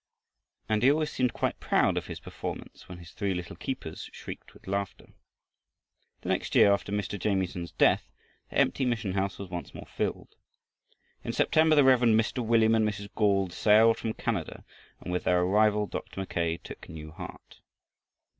And he always seemed quite proud of his performance when his three little keepers shrieked with laughter. The next year after Mr. Jamieson's death the empty mission house was once more filled. In September the Rev. Mr. William and Mrs. Gauld sailed from Canada, and with their arrival Dr. Mackay took new heart.